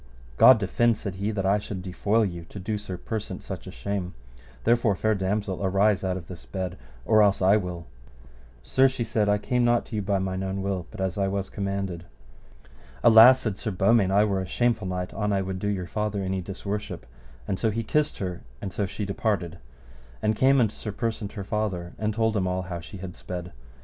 God defend, said he, that I should defoil you to do Sir Persant such a shame; therefore, fair damosel, arise out of this bed or else I will. Sir, she said, I came not to you by mine own will, but as I was commanded. Alas, said Sir Beaumains, I were a shameful knight an I would do your father any disworship; and so he kissed her, and so she departed and came unto Sir Persant her father, and told him all how she had sped.